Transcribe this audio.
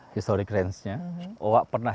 historic range nya owa pernah